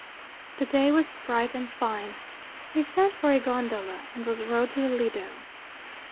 The day was bright and fine. He sent for a gondola, and was rowed to the Lido.